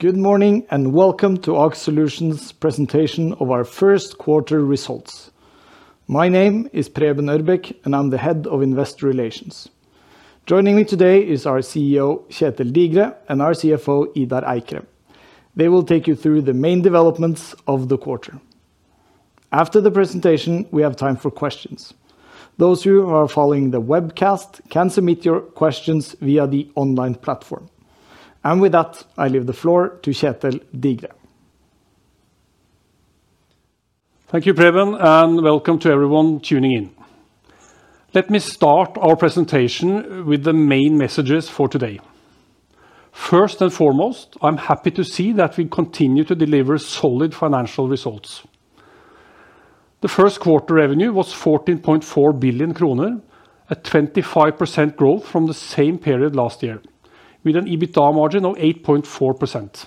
Good morning and welcome to Aker Solutions' presentation of our first quarter results. My name is Preben Ørbeck, and I'm the Head of Investor Relations. Joining me today is our CEO, Kjetel Digre, and our CFO, Idar Eikrem. They will take you through the main developments of the quarter. After the presentation, we have time for questions. Those who are following the webcast can submit your questions via the online platform. With that, I leave the floor to Kjetel Digre. Thank you, Preben, and welcome to everyone tuning in. Let me start our presentation with the main messages for today. First and foremost, I'm happy to see that we continue to deliver solid financial results. The first quarter revenue was 14.4 billion kroner, a 25% growth from the same period last year, with an EBITDA margin of 8.4%.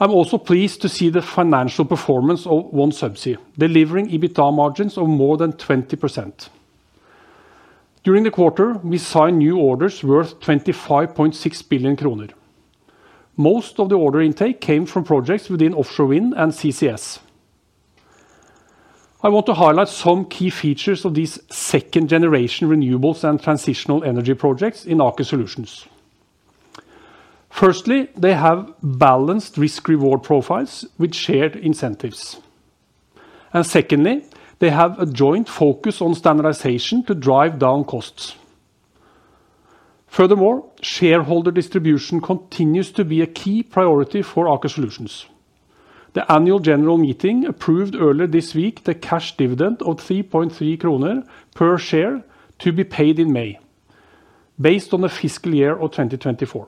I'm also pleased to see the financial performance of OneSubsea, delivering EBITDA margins of more than 20%. During the quarter, we signed new orders worth 25.6 billion kroner. Most of the order intake came from projects within offshore wind and CCS. I want to highlight some key features of these second-generation renewables and transitional energy projects in Aker Solutions. Firstly, they have balanced risk-reward profiles with shared incentives. Secondly, they have a joint focus on standardization to drive down costs. Furthermore, shareholder distribution continues to be a key priority for Aker Solutions. The annual general meeting approved earlier this week the cash dividend of 3.3 kroner per share to be paid in May, based on the fiscal year of 2024.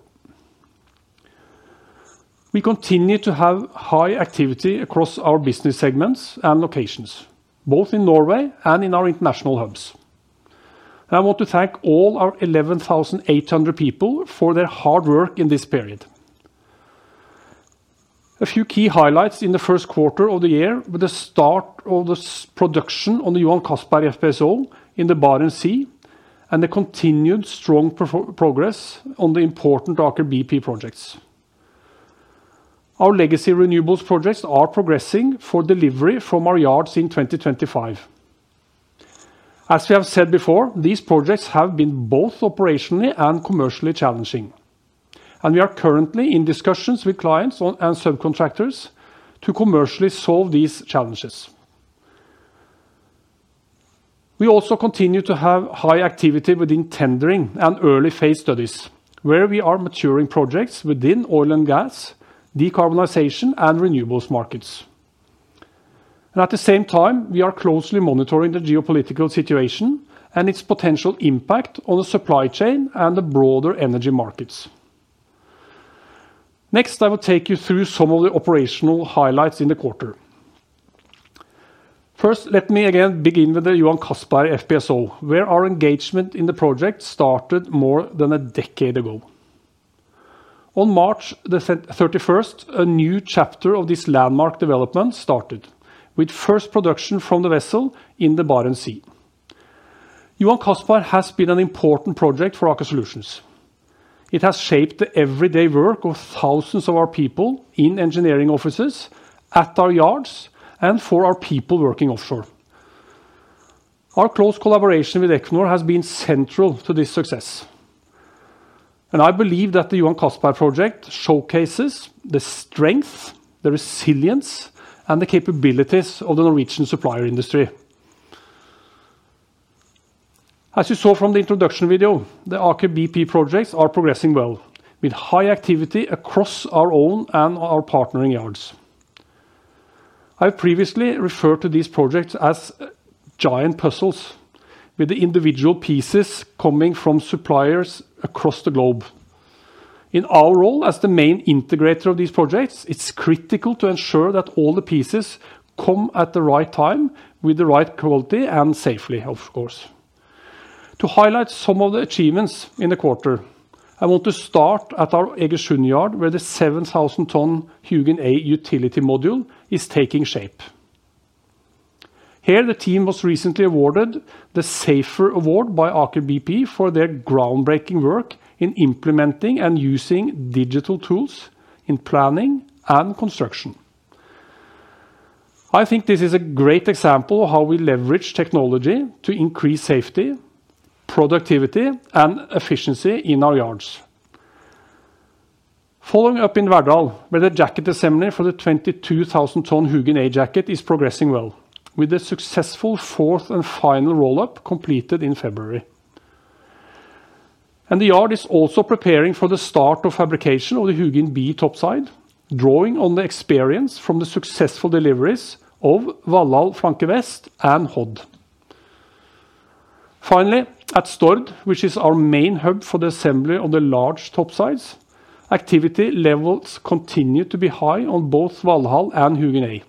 We continue to have high activity across our business segments and locations, both in Norway and in our international hubs. I want to thank all our 11,800 people for their hard work in this period. A few key highlights in the first quarter of the year were the start of the production on the Johan Castberg FPSO in the Barents Sea and the continued strong progress on the important Aker BP projects. Our legacy renewables projects are progressing for delivery from our yards in 2025. As we have said before, these projects have been both operationally and commercially challenging, and we are currently in discussions with clients and subcontractors to commercially solve these challenges. We also continue to have high activity within tendering and early phase studies, where we are maturing projects within oil and gas, decarbonization, and renewables markets. At the same time, we are closely monitoring the geopolitical situation and its potential impact on the supply chain and the broader energy markets. Next, I will take you through some of the operational highlights in the quarter. First, let me again begin with the Johan Castberg FPSO, where our engagement in the project started more than a decade ago. On March 31, a new chapter of this landmark development started, with first production from the vessel in the Barents Sea. Johan Castberg has been an important project for Aker Solutions. It has shaped the everyday work of thousands of our people in engineering offices, at our yards, and for our people working offshore. Our close collaboration with Equinor has been central to this success. I believe that the Johan Castberg project showcases the strength, the resilience, and the capabilities of the Norwegian supplier industry. As you saw from the introduction video, the Aker BP projects are progressing well, with high activity across our own and our partnering yards. I have previously referred to these projects as giant puzzles, with the individual pieces coming from suppliers across the globe. In our role as the main integrator of these projects, it's critical to ensure that all the pieces come at the right time with the right quality and safely, of course. To highlight some of the achievements in the quarter, I want to start at our Egersund yard, where the 7,000-ton Hugin A utility module is taking shape. Here, the team was recently awarded the SAFER Award by Aker BP for their groundbreaking work in implementing and using digital tools in planning and construction. I think this is a great example of how we leverage technology to increase safety, productivity, and efficiency in our yards. Following up in Verdal, where the jacket assembly for the 22,000-ton Hugin A jacket is progressing well, with the successful fourth and final roll-up completed in February. The yard is also preparing for the start of fabrication of the Hugin B topside, drawing on the experience from the successful deliveries of Valhall Flank West and Hod. Finally, at Stord, which is our main hub for the assembly of the large topsides, activity levels continue to be high on both Valhall and Hugin A.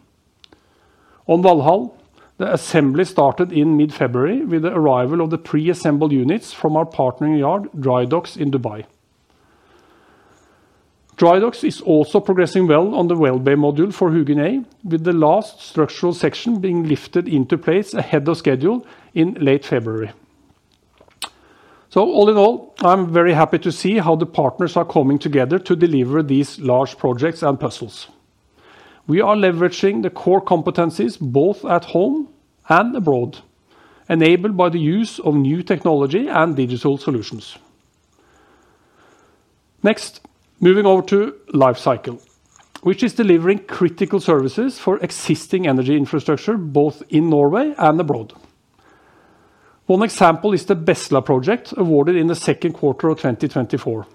On Valhall, the assembly started in mid-February with the arrival of the pre-assembled units from our partnering yard, Drydocks World, in Dubai. Drydocks World is also progressing well on the whale bay module for Hugin A, with the last structural section being lifted into place ahead of schedule in late February. All in all, I'm very happy to see how the partners are coming together to deliver these large projects and puzzles. We are leveraging the core competencies both at home and abroad, enabled by the use of new technology and digital solutions. Next, moving over to Life Cycle, which is delivering critical services for existing energy infrastructure both in Norway and abroad. One example is the Besla project awarded in the second quarter of 2024.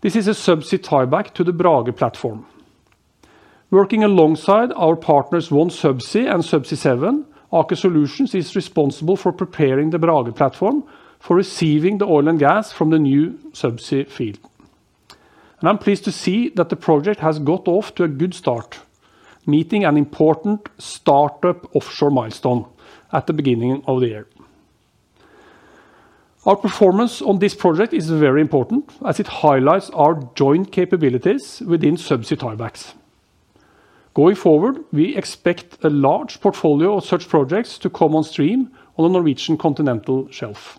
This is a subsea tieback to the Brage platform. Working alongside our partners OneSubsea and Subsea 7, Aker Solutions is responsible for preparing the Brage platform for receiving the oil and gas from the new subsea field. I'm pleased to see that the project has got off to a good start, meeting an important startup offshore milestone at the beginning of the year. Our performance on this project is very important, as it highlights our joint capabilities within subsea tiebacks. Going forward, we expect a large portfolio of such projects to come on stream on the Norwegian continental shelf.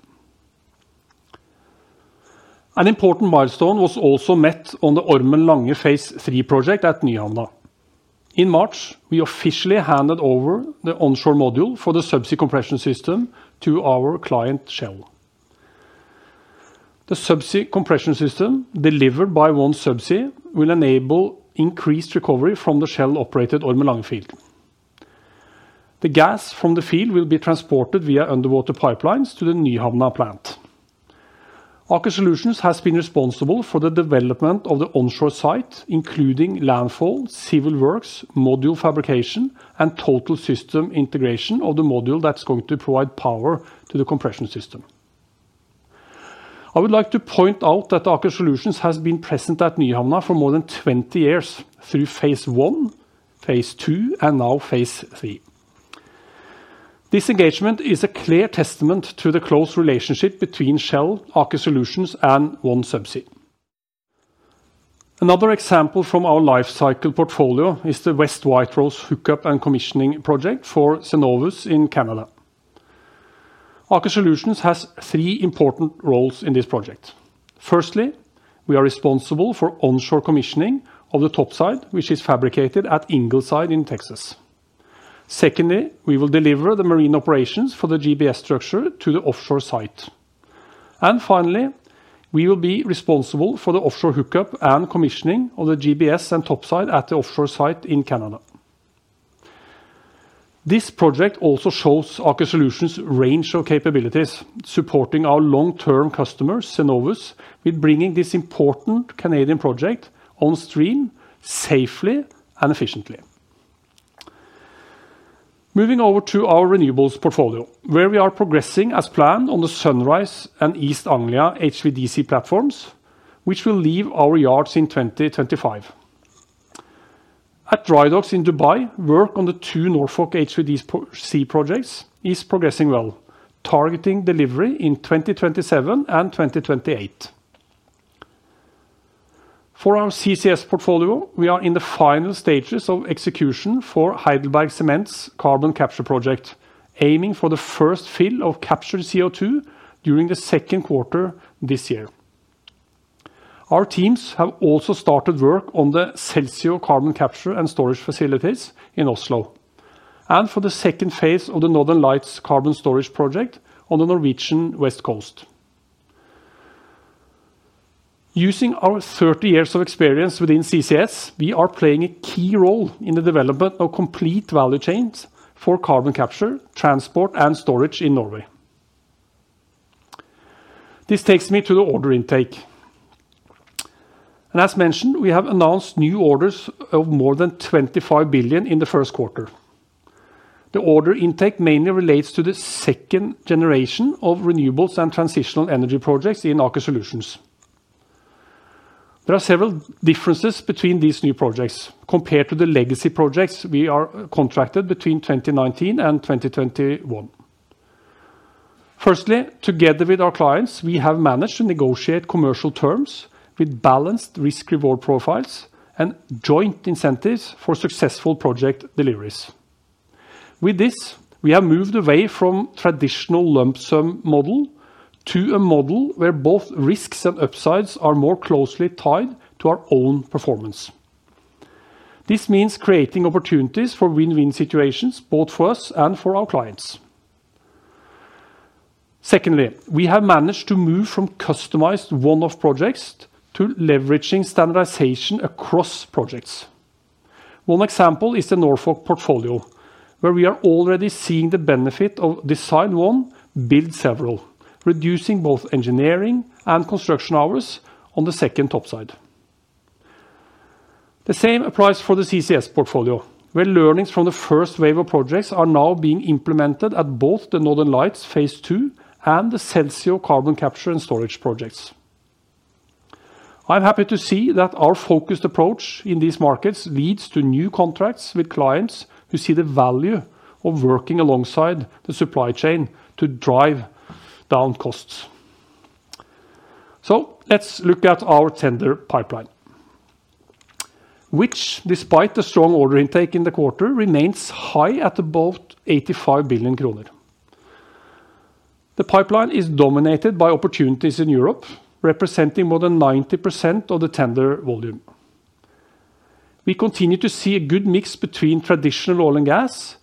An important milestone was also met on the Ormen Lange Phase 3 project at Nyhamna. In March, we officially handed over the onshore module for the subsea compression system to our client Shell. The subsea compression system delivered by OneSubsea will enable increased recovery from the Shell-operated Ormen Lange field. The gas from the field will be transported via underwater pipelines to the Nyhamna plant. Aker Solutions has been responsible for the development of the onshore site, including landfall, civil works, module fabrication, and total system integration of the module that's going to provide power to the compression system. I would like to point out that Aker Solutions has been present at Nyhamna for more than 20 years through Phase 1, Phase 2, and now Phase 3. This engagement is a clear testament to the close relationship between Shell, Aker Solutions, and OneSubsea. Another example from our Life Cycle portfolio is the West White Rose hookup and commissioning project for Cenovus in Canada. Aker Solutions has three important roles in this project. Firstly, we are responsible for onshore commissioning of the topside, which is fabricated at Ingleside in Texas. Secondly, we will deliver the marine operations for the GBS structure to the offshore site. Finally, we will be responsible for the offshore hookup and commissioning of the GBS and topside at the offshore site in Canada. This project also shows Aker Solutions' range of capabilities, supporting our long-term customer, Cenovus, with bringing this important Canadian project on stream safely and efficiently. Moving over to our renewables portfolio, where we are progressing as planned on the Sunrise and East Anglia HVDC platforms, which will leave our yards in 2025. At Drydocks World in Dubai, work on the two Norfolk HVDC projects is progressing well, targeting delivery in 2027 and 2028. For our CCS portfolio, we are in the final stages of execution for HeidelbergCement's carbon capture project, aiming for the first fill of captured CO2 during the second quarter this year. Our teams have also started work on the Celsio carbon capture and storage facilities in Oslo, and for the second phase of the Northern Lights carbon storage project on the Norwegian west coast. Using our 30 years of experience within CCS, we are playing a key role in the development of complete value chains for carbon capture, transport, and storage in Norway. This takes me to the order intake. As mentioned, we have announced new orders of more than 25 billion in the first quarter. The order intake mainly relates to the second generation of renewables and transitional energy projects in Aker Solutions. There are several differences between these new projects compared to the legacy projects we are contracted between 2019 and 2021. Firstly, together with our clients, we have managed to negotiate commercial terms with balanced risk-reward profiles and joint incentives for successful project deliveries. With this, we have moved away from the traditional lump sum model to a model where both risks and upsides are more closely tied to our own performance. This means creating opportunities for win-win situations both for us and for our clients. Secondly, we have managed to move from customized one-off projects to leveraging standardization across projects. One example is the Norfolk portfolio, where we are already seeing the benefit of design one, build several, reducing both engineering and construction hours on the second topside. The same applies for the CCS portfolio, where learnings from the first wave of projects are now being implemented at both the Northern Lights phase 2 and the Celsio carbon capture and storage projects. I'm happy to see that our focused approach in these markets leads to new contracts with clients who see the value of working alongside the supply chain to drive down costs. Let's look at our tender pipeline, which, despite the strong order intake in the quarter, remains high at about 85 billion kroner. The pipeline is dominated by opportunities in Europe, representing more than 90% of the tender volume. We continue to see a good mix between traditional oil and gas,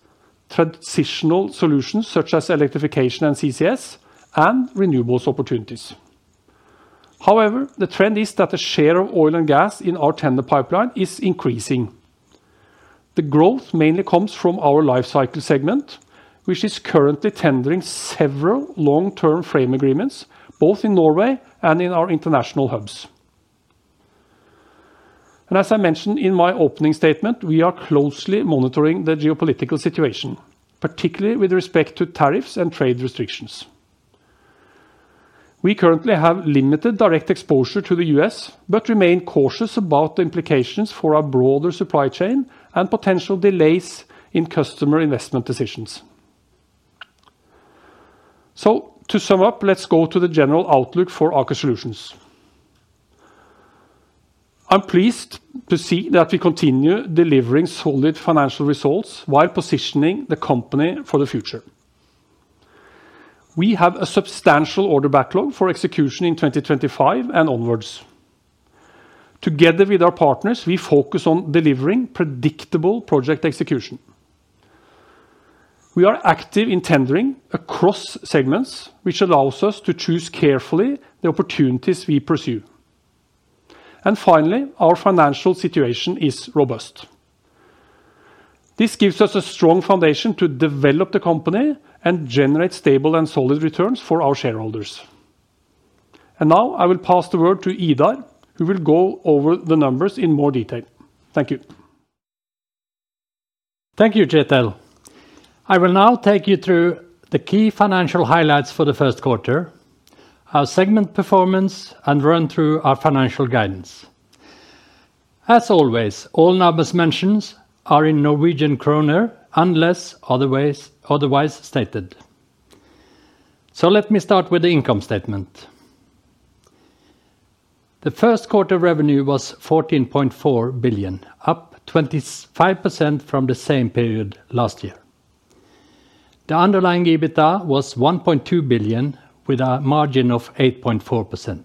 transitional solutions such as electrification and CCS, and renewables opportunities. However, the trend is that the share of oil and gas in our tender pipeline is increasing. The growth mainly comes from our Life Cycle segment, which is currently tendering several long-term frame agreements both in Norway and in our international hubs. As I mentioned in my opening statement, we are closely monitoring the geopolitical situation, particularly with respect to tariffs and trade restrictions. We currently have limited direct exposure to the U.S., but remain cautious about the implications for our broader supply chain and potential delays in customer investment decisions. To sum up, let's go to the general outlook for Aker Solutions. I'm pleased to see that we continue delivering solid financial results while positioning the company for the future. We have a substantial order backlog for execution in 2025 and onwards. Together with our partners, we focus on delivering predictable project execution. We are active in tendering across segments, which allows us to choose carefully the opportunities we pursue. Finally, our financial situation is robust. This gives us a strong foundation to develop the company and generate stable and solid returns for our shareholders. I will now pass the word to Idar, who will go over the numbers in more detail. Thank you. Thank you, Kjetel. I will now take you through the key financial highlights for the first quarter, our segment performance, and run through our financial guidance. As always, all numbers mentioned are Norwegian krone unless otherwise stated. Let me start with the income statement. The first quarter revenue was 14.4 billion, up 25% from the same period last year. The underlying EBITDA was 1.2 billion, with a margin of 8.4%.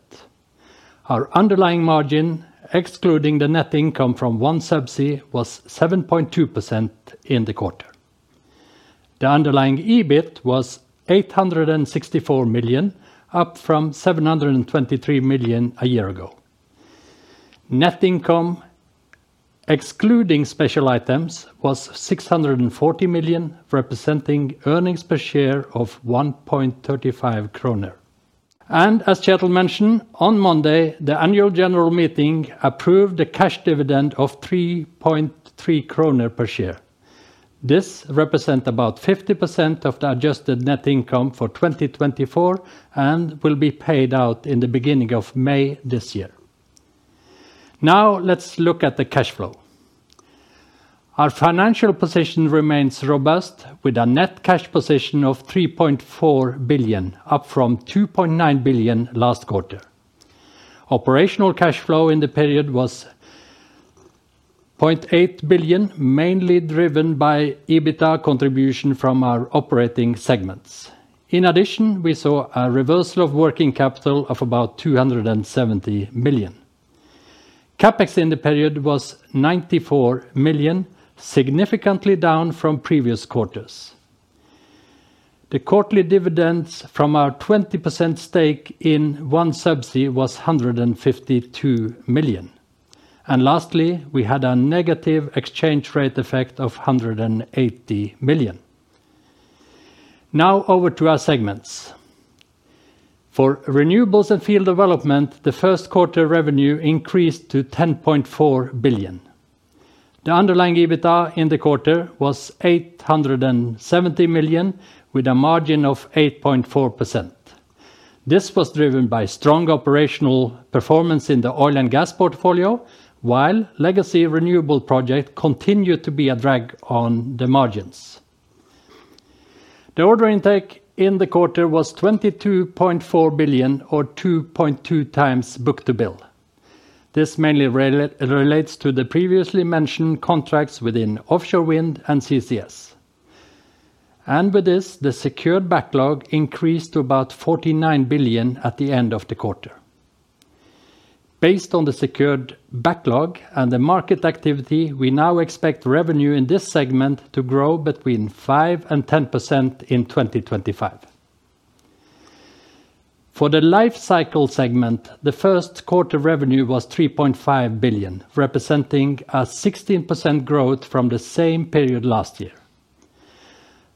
Our underlying margin, excluding the net income from OneSubsea, was 7.2% in the quarter. The underlying EBITDA was 864 million, up from 723 million a year ago. Net income, excluding special items, was 640 million, representing earnings per share of 1.35 kroner. As Kjetel mentioned, on Monday, the annual general meeting approved a cash dividend of 3.3 kroner per share. This represents about 50% of the adjusted net income for 2024 and will be paid out in the beginning of May this year. Now let's look at the cash flow. Our financial position remains robust, with a net cash position of 3.4 billion, up from 2.9 billion last quarter. Operational cash flow in the period was 0.8 billion, mainly driven by EBITDA contribution from our operating segments. In addition, we saw a reversal of working capital of about 270 million. CapEx in the period was 94 million, significantly down from previous quarters. The quarterly dividends from our 20% stake in OneSubsea was 152 million. Lastly, we had a negative exchange rate effect of 180 million. Now over to our segments. For renewables and field development, the first quarter revenue increased to 10.4 billion. The underlying EBITDA in the quarter was 870 million, with a margin of 8.4%. This was driven by strong operational performance in the oil and gas portfolio, while legacy renewable projects continued to be a drag on the margins. The order intake in the quarter was 22.4 billion, or 2.2x book to bill. This mainly relates to the previously mentioned contracts within offshore wind and CCS. With this, the secured backlog increased to about 49 billion at the end of the quarter. Based on the secured backlog and the market activity, we now expect revenue in this segment to grow between 5% and 10% in 2025. For the Life Cycle segment, the first quarter revenue was 3.5 billion, representing a 16% growth from the same period last year.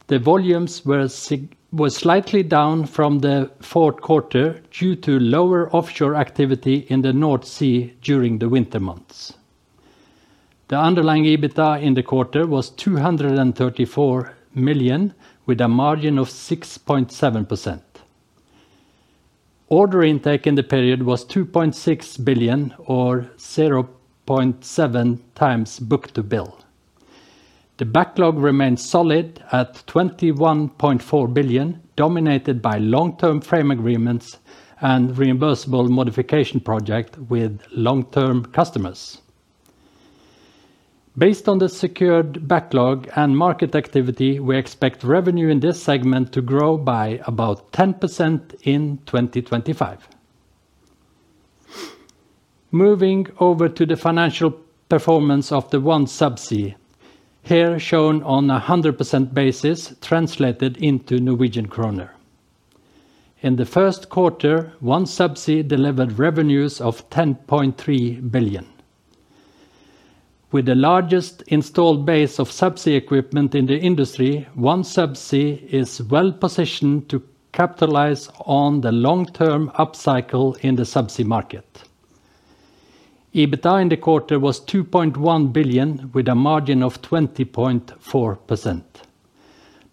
The volumes were slightly down from the fourth quarter due to lower offshore activity in the North Sea during the winter months. The underlying EBITDA in the quarter was 234 million, with a margin of 6.7%. Order intake in the period was 2.6 billion, or 0.7x book to bill. The backlog remained solid at 21.4 billion, dominated by long-term frame agreements and reimbursable modification projects with long-term customers. Based on the secured backlog and market activity, we expect revenue in this segment to grow by about 10% in 2025. Moving over to the financial performance of OneSubsea, here shown on a 100% basis translated into Norwegian krone. In the first quarter, OneSubsea delivered revenues of 10.3 billion. With the largest installed base of subsea equipment in the industry, OneSubsea is well positioned to capitalize on the long-term upcycle in the subsea market. EBITDA in the quarter was $2.1 billion, with a margin of 20.4%.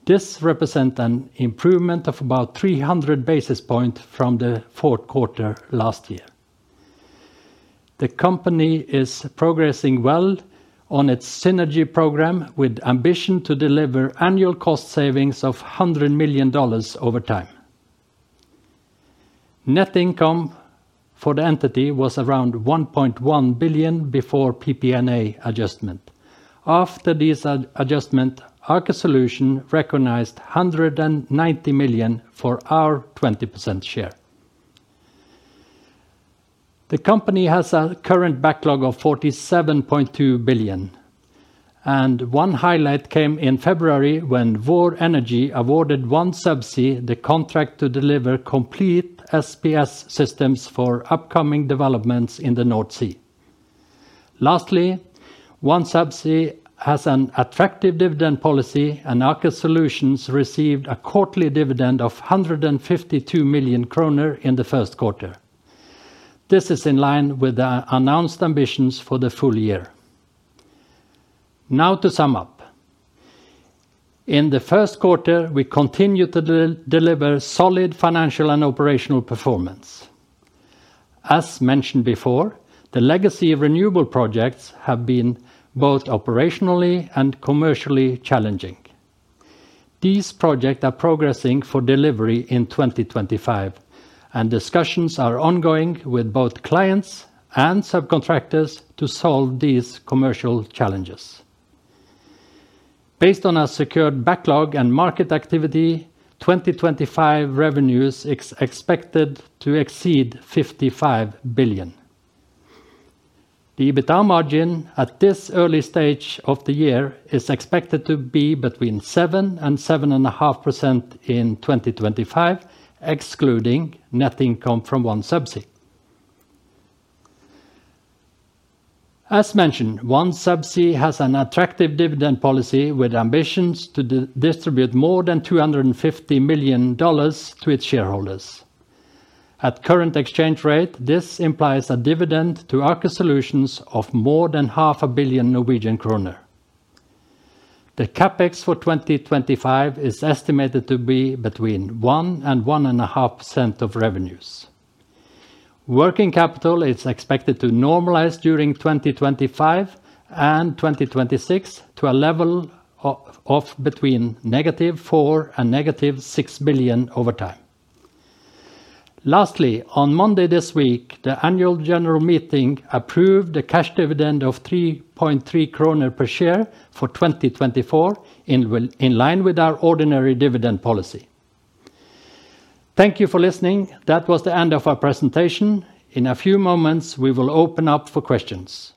This represents an improvement of about 300 basis points from the fourth quarter last year. The company is progressing well on its synergy program, with ambition to deliver annual cost savings of $100 million over time. Net income for the entity was around $1.1 billion before PP&A adjustment. After this adjustment, Aker Solutions recognized $190 million for our 20% share. The company has a current backlog of 47.2 billion. One highlight came in February when Vår Energi awarded OneSubsea the contract to deliver complete SPS systems for upcoming developments in the North Sea. Lastly, OneSubsea has an attractive dividend policy, and Aker Solutions received a quarterly dividend of 152 million kroner in the first quarter. This is in line with the announced ambitions for the full year. Now to sum up. In the first quarter, we continue to deliver solid financial and operational performance. As mentioned before, the legacy renewable projects have been both operationally and commercially challenging. These projects are progressing for delivery in 2025, and discussions are ongoing with both clients and subcontractors to solve these commercial challenges. Based on our secured backlog and market activity, 2025 revenues are expected to exceed 55 billion. The EBITDA margin at this early stage of the year is expected to be between 7%-7.5% in 2025, excluding net income from OneSubsea. As mentioned, OneSubsea has an attractive dividend policy with ambitions to distribute more than $250 million to its shareholders. At current exchange rate, this implies a dividend to Aker Solutions of more than 500 million Norwegian kroner. The CapEx for 2025 is estimated to be between 1%-1.5% of revenues. Working capital is expected to normalize during 2025 and 2026 to a level of between negative 4 billion and negative 6 billion over time. Lastly, on Monday this week, the annual general meeting approved a cash dividend of 3.3 kroner per share for 2024, in line with our ordinary dividend policy. Thank you for listening. That was the end of our presentation. In a few moments, we will open up for questions.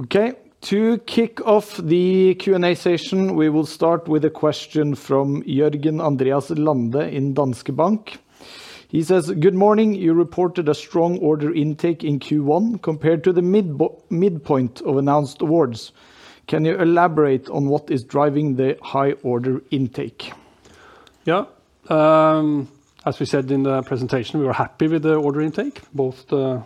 Okay, to kick off the Q&A session, we will start with a question from Jørgen Andreas Lande in Danske Bank. He says, "Good morning. You reported a strong order intake in Q1 compared to the midpoint of announced awards. Can you elaborate on what is driving the high order intake?" Yeah, as we said in the presentation, we were happy with the order intake, both the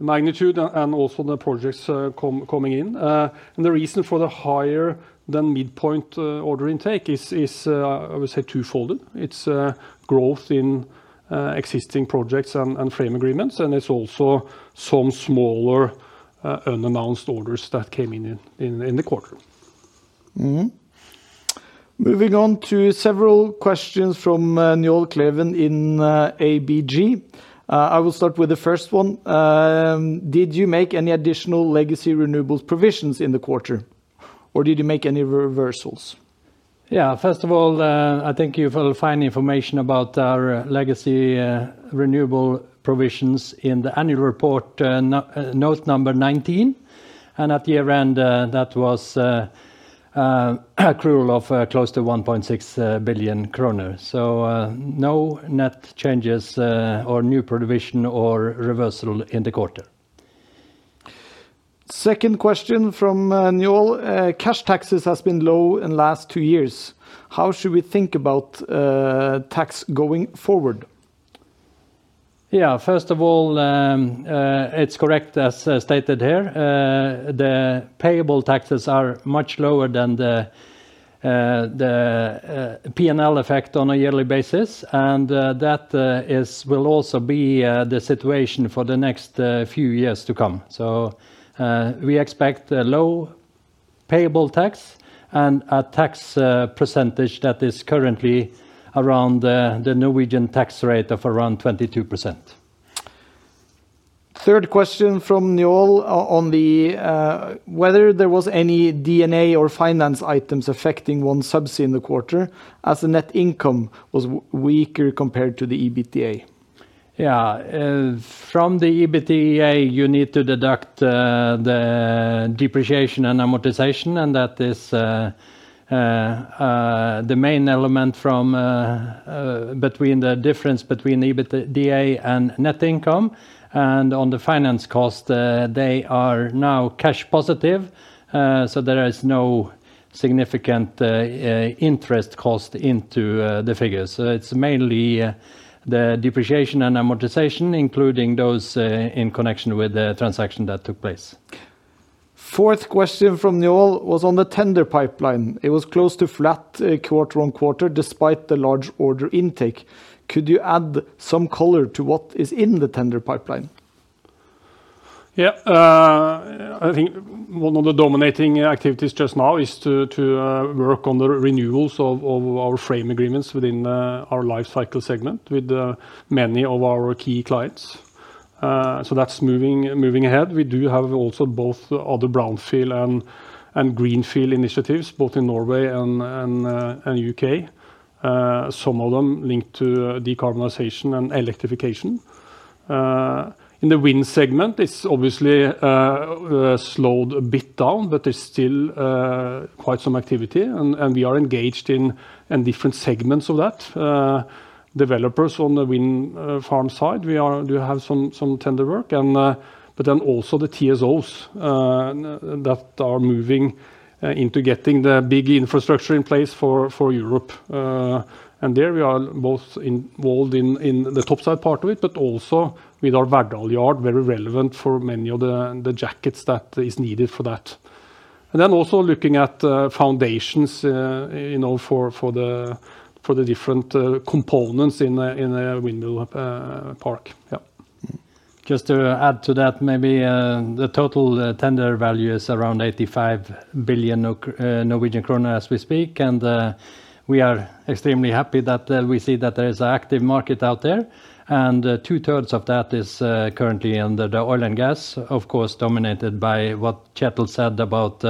magnitude and also the projects coming in. The reason for the higher than midpoint order intake is, I would say, twofold. It is growth in existing projects and frame agreements, and it is also some smaller unannounced orders that came in in the quarter. Moving on to several questions from Njål Kleven in ABG. I will start with the first one. Did you make any additional legacy renewables provisions in the quarter, or did you make any reversals? Yeah, first of all, I think you have heard fine information about our legacy renewable provisions in the annual report, note number 19. At year-end, that was accrual of close to 1.6 billion kroner. No net changes or new provision or reversal in the quarter. Second question from Njål. Cash taxes have been low in the last two years. How should we think about tax going forward? Yeah, first of all, it is correct as stated here. The payable taxes are much lower than the P&L effect on a yearly basis. That will also be the situation for the next few years to come. We expect a low payable tax and a tax percentage that is currently around the Norwegian tax rate of around 22%. Third question from Njål on whether there was any DNA or finance items affecting OneSubsea in the quarter as the net income was weaker compared to the EBITDA. Yeah, from the EBITDA, you need to deduct the depreciation and amortization, and that is the main element between the difference between EBITDA and net income. On the finance cost, they are now cash positive, so there is no significant interest cost into the figures. It is mainly the depreciation and amortization, including those in connection with the transaction that took place. Fourth question from Njål was on the tender pipeline. It was close to flat quarter on quarter despite the large order intake. Could you add some color to what is in the tender pipeline? Yeah, I think one of the dominating activities just now is to work on the renewals of our frame agreements within our lifecycle segment with many of our key clients. That is moving ahead. We do have also both other brownfield and greenfield initiatives both in Norway and the U.K., some of them linked to decarbonization and electrification. In the wind segment, it has obviously slowed a bit down, but there is still quite some activity. We are engaged in different segments of that. Developers on the wind farm side, we do have some tender work, but then also the TSOs that are moving into getting the big infrastructure in place for Europe. We are both involved in the topside part of it, but also with our Verdal Yard, very relevant for many of the jackets that are needed for that. We are also looking at foundations for the different components in a windmill park. Just to add to that, maybe the total tender value is around 85 billion Norwegian krone as we speak. We are extremely happy that we see that there is an active market out there. Two-thirds of that is currently under oil and gas, of course, dominated by what Kjetel said about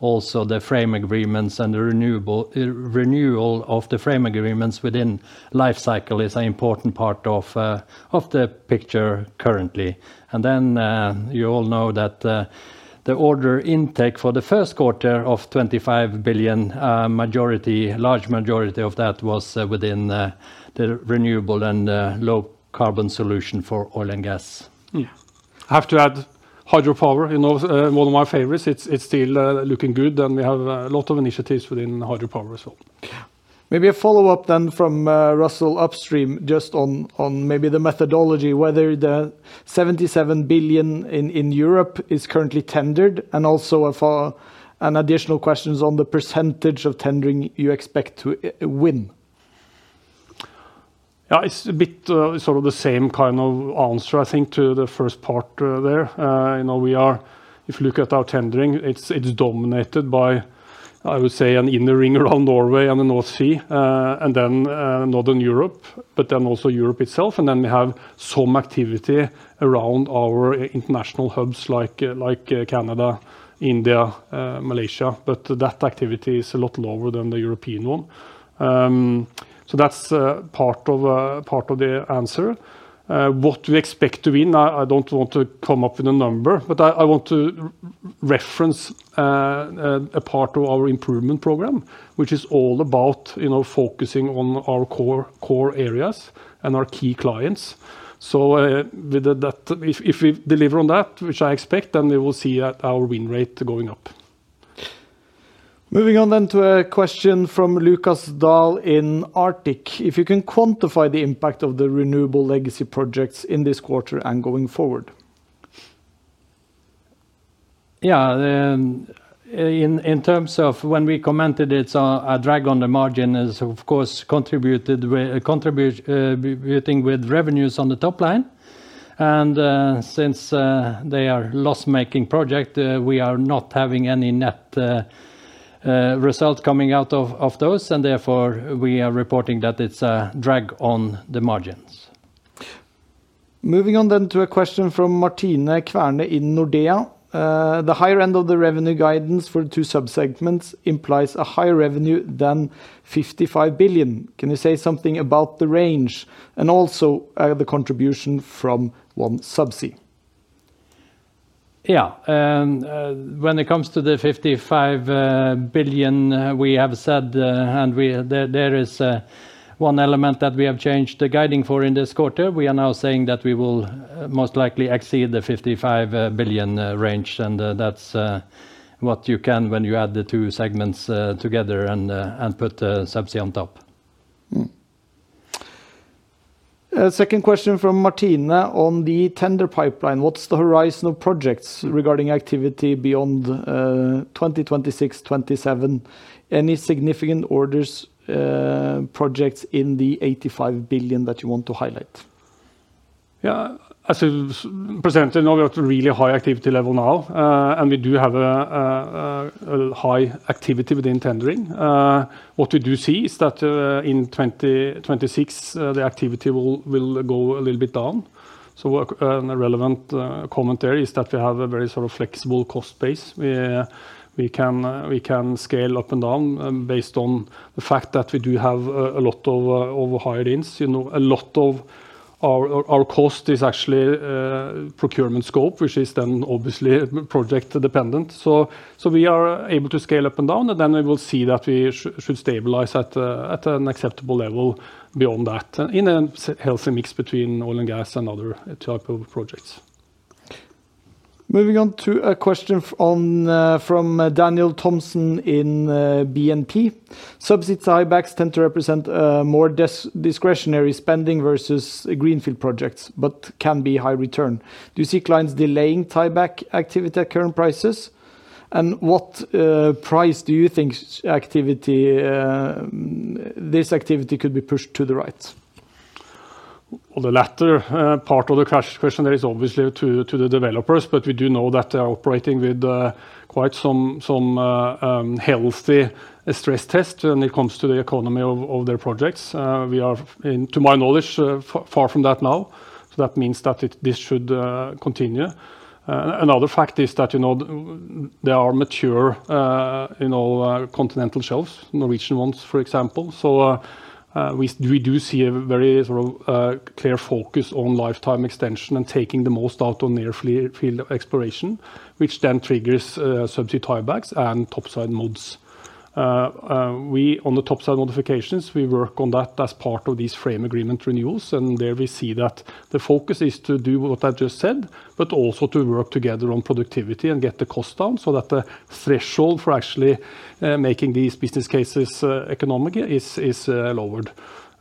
also the frame agreements and the renewal of the frame agreements within lifecycle is an important part of the picture currently. You all know that the order intake for the first quarter of 25 billion, large majority of that was within the renewable and low carbon solution for oil and gas. I have to add hydropower, one of my favorites. It's still looking good, and we have a lot of initiatives within hydropower as well. Maybe a follow-up then from Russell at Upstream just on maybe the methodology, whether the 77 billion in Europe is currently tendered and also an additional question on the percentage of tendering you expect to win. Yeah, it's a bit sort of the same kind of answer, I think, to the first part there. If you look at our tendering, it's dominated by, I would say, an inner ring around Norway and the North Sea and then Northern Europe, but then also Europe itself. We have some activity around our international hubs like Canada, India, Malaysia, but that activity is a lot lower than the European one. That is part of the answer. What we expect to win, I do not want to come up with a number, but I want to reference a part of our improvement program, which is all about focusing on our core areas and our key clients. If we deliver on that, which I expect, then we will see our win rate going up. Moving on to a question from Lukas Dahl in Arctic. If you can quantify the impact of the renewable legacy projects in this quarter and going forward. In terms of when we commented, it is a drag on the margin, it is, of course, contributed with revenues on the top line. Since they are a loss-making project, we are not having any net result coming out of those. Therefore, we are reporting that it is a drag on the margins. Moving on to a question from Martine Kverne in Nordea. The higher end of the revenue guidance for the two subsegments implies a higher revenue than 55 billion. Can you say something about the range and also the contribution from OneSubsea? Yeah, when it comes to the 55 billion we have said, there is one element that we have changed the guiding for in this quarter. We are now saying that we will most likely exceed the 55 billion range. That is what you get when you add the two segments together and put the subsea on top. Second question from Martine on the tender pipeline. What is the horizon of projects regarding activity beyond 2026, 2027? Any significant orders projects in the 85 billion that you want to highlight? Yeah, as I presented, we have a really high activity level now. We do have a high activity within tendering. What we do see is that in 2026, the activity will go a little bit down. A relevant comment there is that we have a very sort of flexible cost base. We can scale up and down based on the fact that we do have a lot of hire-ins. A lot of our cost is actually procurement scope, which is then obviously project dependent. We are able to scale up and down. We will see that we should stabilize at an acceptable level beyond that in a healthy mix between oil and gas and other type of projects. Moving on to a question from Daniel Thompson in BNP.Subsea tiebacks tend to represent more discretionary spending versus greenfield projects, but can be high return. Do you see clients delaying tieback activity at current prices? What price do you think this activity could be pushed to the right? The latter part of the question is obviously to the developers, but we do know that they are operating with quite some healthy stress test when it comes to the economy of their projects. We are, to my knowledge, far from that now. That means that this should continue. Another fact is that there are mature continental shelves, Norwegian ones, for example. We do see a very sort of clear focus on lifetime extension and taking the most out on near-field exploration, which then triggers subsea tiebacks and topside modes. On the topside modifications, we work on that as part of these frame agreement renewals. There we see that the focus is to do what I just said, but also to work together on productivity and get the cost down so that the threshold for actually making these business cases economic is lowered.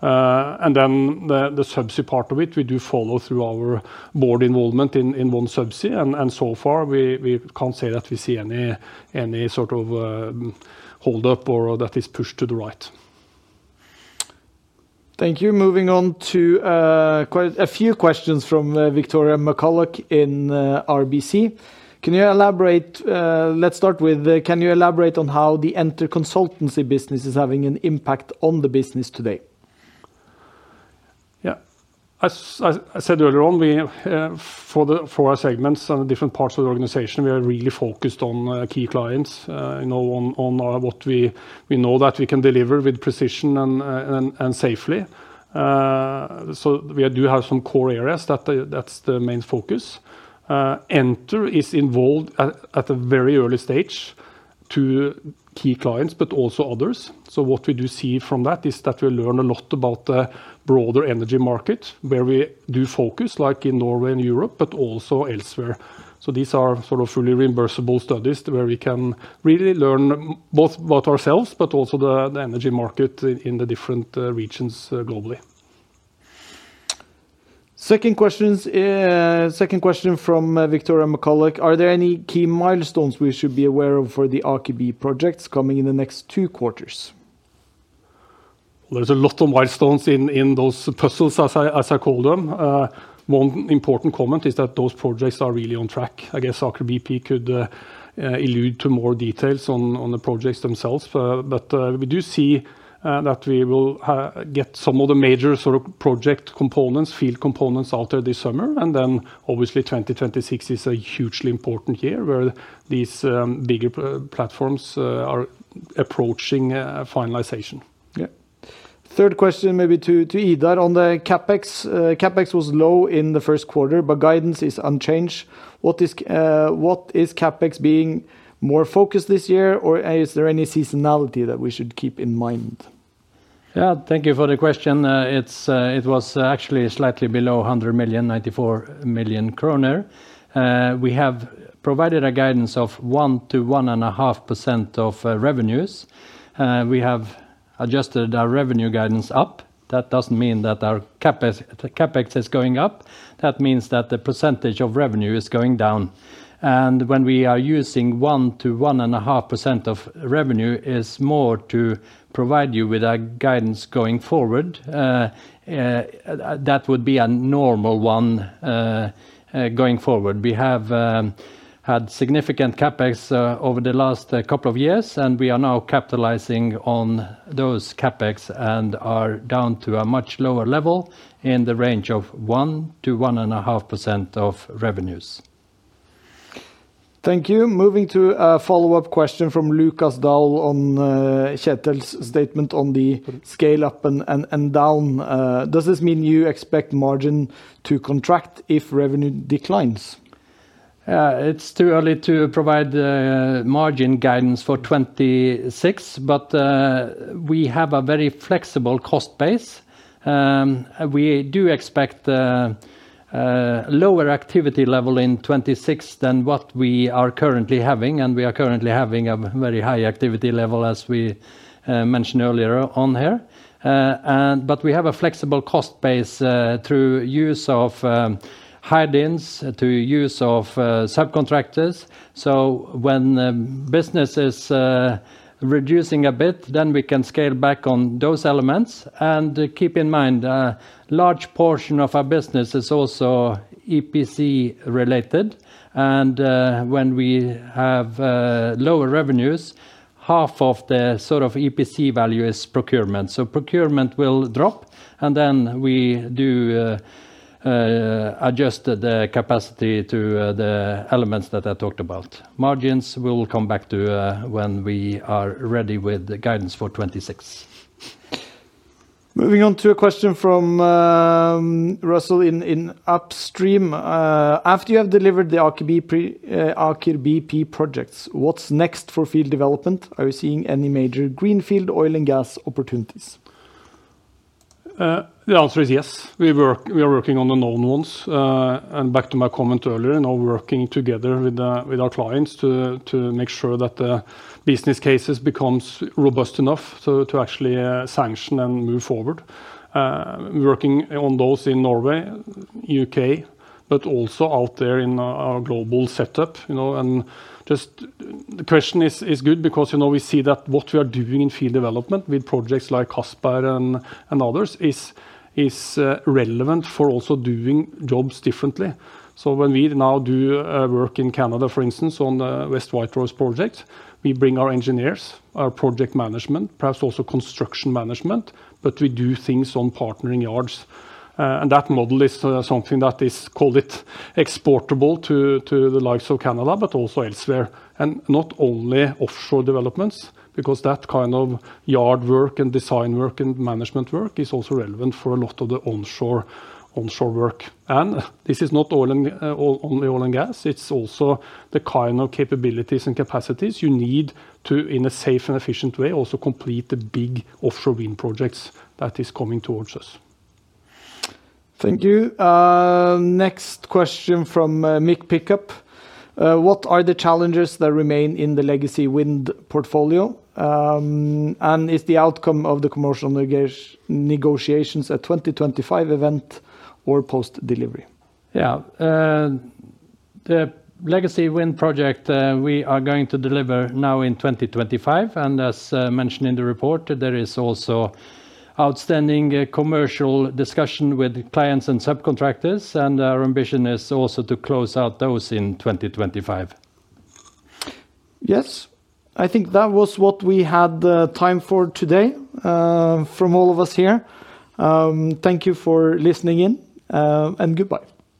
The subsea part of it, we do follow through our board involvement in OneSubsea. So far, we can't say that we see any sort of hold-up or that is pushed to the right. Thank you. Moving on to quite a few questions from Victoria McCulloch in RBC. Can you elaborate? Let's start with, can you elaborate on how the enter consultancy business is having an impact on the business today? Yeah, as I said earlier, for our segments and different parts of the organization, we are really focused on key clients, on what we know that we can deliver with precision and safely. We do have some core areas. That's the main focus. Enter is involved at a very early stage to key clients, but also others. What we do see from that is that we learn a lot about the broader energy market where we do focus, like in Norway and Europe, but also elsewhere. These are sort of fully reimbursable studies where we can really learn both about ourselves, but also the energy market in the different regions globally. Second question from Victoria McCulloch. Are there any key milestones we should be aware of for the Aker BP projects coming in the next two quarters? There's a lot of milestones in those puzzles, as I call them. One important comment is that those projects are really on track. I guess Aker BP could allude to more details on the projects themselves. We do see that we will get some of the major sort of project components, field components out there this summer. Obviously, 2026 is a hugely important year where these bigger platforms are approaching finalization. Third question, maybe to Idar on the CapEx. CapEx was low in the first quarter, but guidance is unchanged. What is CapEx being more focused this year, or is there any seasonality that we should keep in mind? Yeah, thank you for the question. It was actually slightly below 100 million, 94 million kroner. We have provided a guidance of 1%-1.5% of revenues. We have adjusted our revenue guidance up. That does not mean that our CapEx is going up. That means that the percentage of revenue is going down. When we are using 1%-1.5% of revenue, it is more to provide you with a guidance going forward. That would be a normal one going forward. We have had significant CapEx over the last couple of years, and we are now capitalizing on those CapEx and are down to a much lower level in the range of 1-1.5% of revenues. Thank you. Moving to a follow-up question from Lukas Dahl on Kjetel's statement on the scale-up and down. Does this mean you expect margin to contract if revenue declines? It's too early to provide margin guidance for 2026, but we have a very flexible cost base. We do expect a lower activity level in 2026 than what we are currently having. We are currently having a very high activity level, as we mentioned earlier on here. We have a flexible cost base through use of high-ins to use of subcontractors. When business is reducing a bit, then we can scale back on those elements. Keep in mind, a large portion of our business is also EPC-related. When we have lower revenues, half of the sort of EPC value is procurement. Procurement will drop. We do adjust the capacity to the elements that I talked about. Margins will come back to when we are ready with guidance for 2026. Moving on to a question from Russell in Upstream. After you have delivered the Aker BP projects, what's next for field development? Are you seeing any major greenfield oil and gas opportunities? The answer is yes. We are working on the known ones. Back to my comment earlier, now working together with our clients to make sure that the business cases become robust enough to actually sanction and move forward. We're working on those in Norway, U.K., but also out there in our global setup. The question is good because we see that what we are doing in field development with projects like Kaspar and others is relevant for also doing jobs differently. When we now do work in Canada, for instance, on the West White Rose project, we bring our engineers, our project management, perhaps also construction management, but we do things on partnering yards. That model is something that is called exportable to the likes of Canada, but also elsewhere. Not only offshore developments, because that kind of yard work and design work and management work is also relevant for a lot of the onshore work. This is not only oil and gas. It's also the kind of capabilities and capacities you need to, in a safe and efficient way, also complete the big offshore wind projects that are coming towards us. Thank you. Next question from Mick Pickup. What are the challenges that remain in the legacy wind portfolio? And is the outcome of the commercial negotiations at the 2025 event or post-delivery? Yeah, the legacy wind project we are going to deliver now in 2025. As mentioned in the report, there is also outstanding commercial discussion with clients and subcontractors. Our ambition is also to close out those in 2025. Yes, I think that was what we had time for today from all of us here. Thank you for listening in. Goodbye.